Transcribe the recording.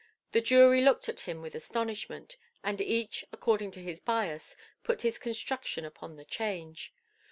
The jury looked at him with astonishment, and each, according to his bias, put his construction upon the change.